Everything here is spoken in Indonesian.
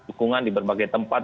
dukungan di berbagai tempat